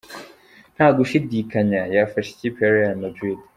Nta gushidikanya yafasha ikipe ya Real Madrid.